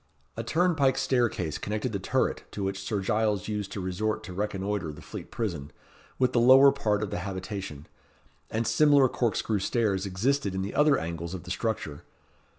A turnpike staircase connected the turret to which Sir Giles used to resort to reconnoitre the Fleet Prison, with the lower part of the habitation, and similar corkscrew stairs existed in the other angles of the structure.